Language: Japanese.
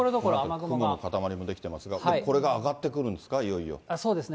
雲の固まりも出来ていますが、これが上がってくるんですか、いそうですね。